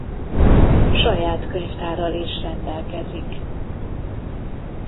Saját könyvtárral is rendelkezik.